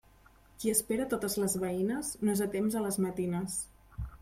Qui espera totes les veïnes, no és a temps a les matines.